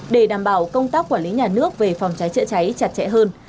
để đảm bảo công tác quản lý nhà nước về phòng cháy chữa cháy chặt chẽ hơn